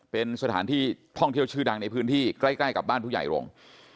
เป็นสถานที่ท่องเที่ยวชื่อดังในพื้นที่ใกล้กับบ้านผู้ใหญ่รงค์